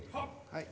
はい。